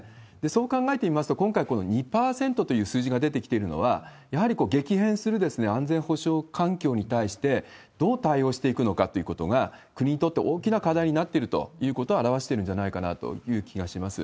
そう考えてみますと、今回、この２％という数字が出てきているのは、やはり激変する安全保障環境に対してどう対応していくのかっていうことが、国にとって大きな課題になっているということを表してるんじゃないかなという気がします。